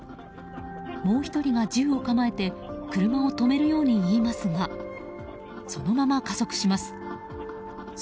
もう１人が銃を構えて車を止めるように言いますがそのまま加速します。